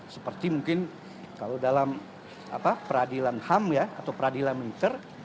seperti mungkin kalau dalam peradilan ham atau peradilan militer